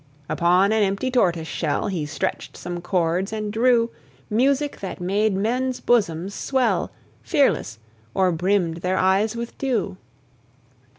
Upon an empty tortoise shell He stretched some chords, and drew Music that made men's bosoms swell Fearless, or brimmed their eyes with dew.